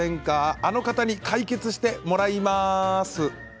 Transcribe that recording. あの方に解決してもらいます。